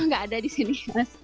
tidak ada di sini